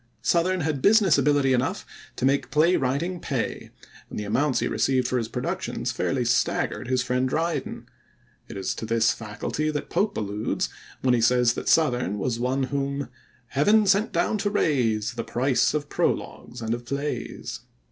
Southerne had business ability enough to make play writing pay, and the amounts he received for his productions fairly staggered his friend Dryden. It is to this faculty that Pope alludes when he says that Southerne was one whom heaven sent down to raise The price of prologues and of plays.